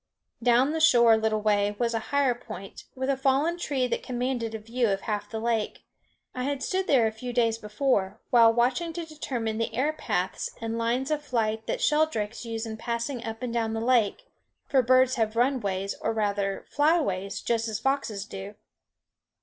Down the shore a little way was a higher point, with a fallen tree that commanded a view of half the lake. I had stood there a few days before, while watching to determine the air paths and lines of flight that sheldrakes use in passing up and down the lake, for birds have runways, or rather flyways, just as foxes do.